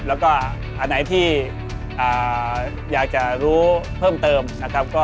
แล้วก็อันไหนที่อยากจะรู้เพิ่มเติมนะครับ